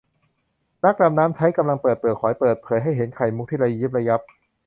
นักดำน้ำใช้กำลังเปิดเปลือกหอย เปิดเผยให้เห็นไข่มุกที่ระยิบระยับ